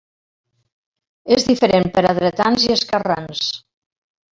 És diferent per a dretans i esquerrans.